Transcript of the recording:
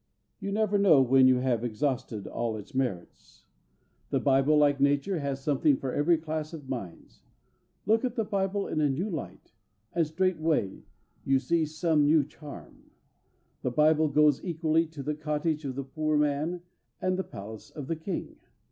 You never know when you have exhausted all its merits. The Bible, like nature, has something for every class of minds. Look at the Bible in a new light, and straightway you see some new charm. The Bible goes equally to the cottage of the poor man and the palace of the king.